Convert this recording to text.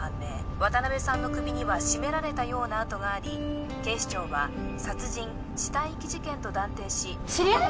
渡辺さんの首には絞められたような痕があり警視庁は殺人死体遺棄事件と断定し知り合い？